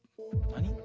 何？